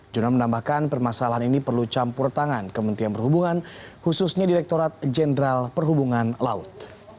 jonan menambahkan permasalahan ini perlu campur tangan kementerian perhubungan khususnya direkturat jenderal perhubungan laut